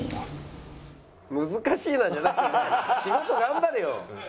「難しいな」じゃなくてお前仕事頑張れよ。